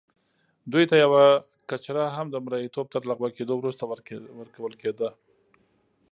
دوی ته یوه کچره هم د مریتوب تر لغوه کېدو وروسته ورکول کېده.